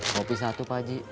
kopi satu pak haji